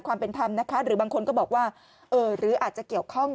ความเป็นธรรมนะคะหรือบางคนก็บอกว่าเออหรืออาจจะเกี่ยวข้อง